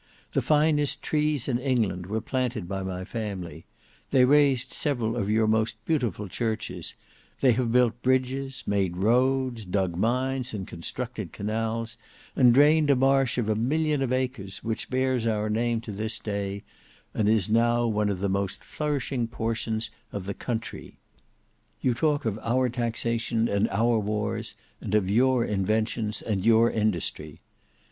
The finest trees in England were planted by my family; they raised several of your most beautiful churches; they have built bridges, made roads, dug mines, and constructed canals, and drained a marsh of a million of acres which bears our name to this day, and is now one of the most flourishing portions of the country. You talk of our taxation and our wars; and of your inventions and your industry.